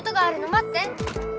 待って。